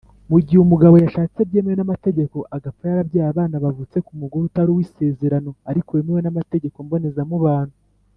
mu gihe umugabo yashatse byemewe n’amategeko agapfa yarabyaye abana bavutse k’umugore utari uwisezerano ariko bemewe n’amategeko mbonezamubano,